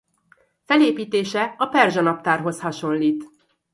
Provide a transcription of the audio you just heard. Felépítése a perzsa naptárhoz hasonlít.